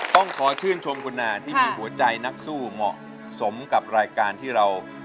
ต้องขอชื่นชมคุณนาที่มีหัวใจนักสู้เหมาะสมกับรายการที่เรา